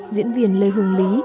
diễn viên lê hương lý